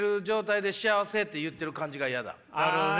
なるほどね。